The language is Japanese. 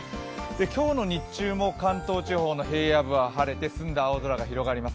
今日の日中も関東地方の平野部は晴れて澄んだ青空が広がっています。